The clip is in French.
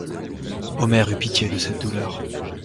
Omer eut pitié de cette douleur.